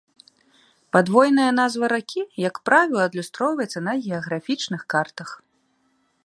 Падвойная назва ракі, як правіла, адлюстроўваецца на геаграфічных картах.